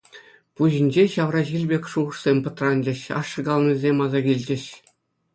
Пуҫӗнче ҫавра ҫил пек шухӑшсем пӑтранчӗҫ, ашшӗ каланисем аса килчӗҫ.